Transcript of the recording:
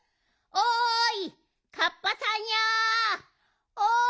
おい！